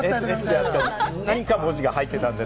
何か文字が入ってたんです。